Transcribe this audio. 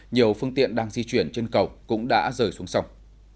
nhiều phương tiện đang di chuyển trên cầu cũng đã rời xuống sông